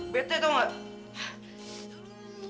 bete tau gak